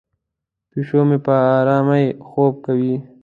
پیشو مې په آرامۍ خوب کوي.